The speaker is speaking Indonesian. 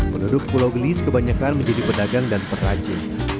penduduk pulau geli kebanyakan menjadi pedagang dan pendulum